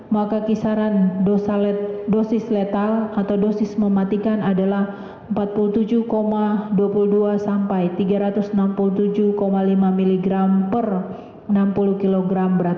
maka kisaran dosis letal atau dosis mematikan adalah empat puluh tujuh dua puluh dua sampai tiga ratus enam puluh tujuh lima miligram per enam puluh kg